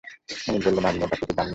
অমিত বললে, নাম নিয়ে পাত্রটির দাম নয়।